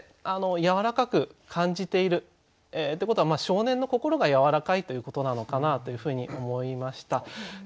あのやわらかく感じているってことは少年の心がやわらかいということなのかなというふうに思いました。